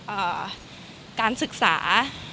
เอ่อการศึกษา